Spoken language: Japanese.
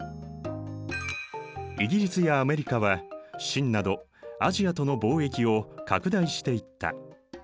イギリスやアメリカは清などアジアとの貿易を拡大していった。